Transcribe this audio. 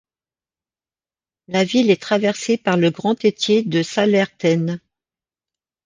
La ville est traversée par le Grand Étier de Sallertaine.